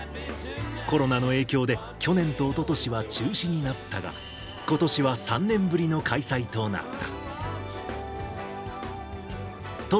コロナの影響で、去年とおととしは中止になったが、ことしは３年ぶりの開催となった。